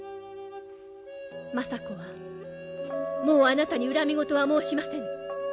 政子はもうあなたに恨み言は申しませぬ。